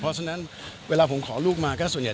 เพราะฉะนั้นเวลาผมขอลูกมาก็ส่วนใหญ่